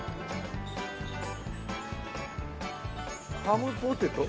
ハムポテト？